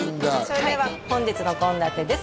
それでは本日の献立です